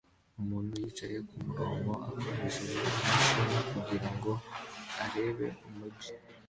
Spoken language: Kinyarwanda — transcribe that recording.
Umuntu wicaye kumurongo akoresheje imashini kugirango arebe umujyi